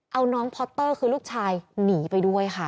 เอาน้องพอเตอร์คือลูกชายหนีไปด้วยค่ะ